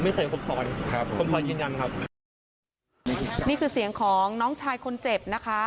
ไม่เคยผมถอนครับผมขอยืนยันครับนี่คือเสียงของน้องชายคนเจ็บนะคะ